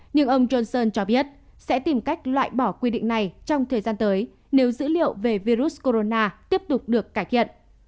nhưng ông johnson cho biết sẽ tìm cách loại bỏ quy định này trong thời gian tới nếu dữ liệu về virus corona tiếp tục được cải thiện